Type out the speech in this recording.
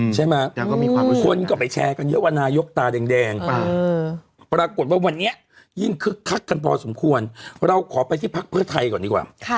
ใช่ไหมคนก็ไปแชร์กันเยอะว่านายกตาแดงปรากฏว่าวันนี้ยิ่งคึกคักกันพอสมควรเราขอไปที่พักเพื่อไทยก่อนดีกว่า